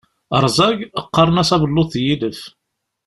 Rẓag, qqaren-as abelluḍ n yilef.